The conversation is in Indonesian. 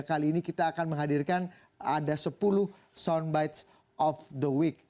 kali ini kita akan menghadirkan ada sepuluh soundbites of the week